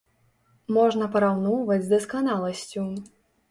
Можна параўноўваць з дасканаласцю.